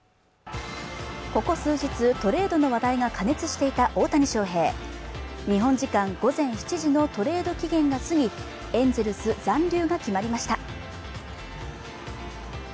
ここ数日トレードの話題が過熱していた大谷翔平日本時間午前７時のトレード期限が過ぎエンゼルス残留が決まりました